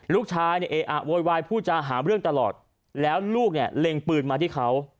ลูกชายเนี่ยเออะโวยวายผู้จาหาเรื่องตลอดแล้วลูกเนี่ยเล็งปืนมาที่เขา